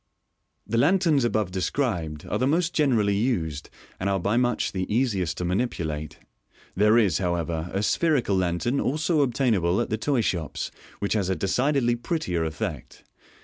The lanterns above described are the most generally used, and are by much the easiest to manipulate. There is, however, a spherical lantern also obtainable at the toy shops, which has a decidedly prettier effect.